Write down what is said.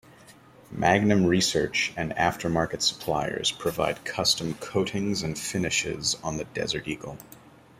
Magnum Research and aftermarket suppliers provide custom coatings and finishes on the Desert Eagle.